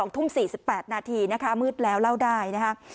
๒ทุ่ม๔๘ณมืดแล้วเล่าได้นะคะ